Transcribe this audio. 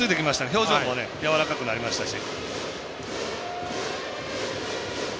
表情もやわらかくなりましたし。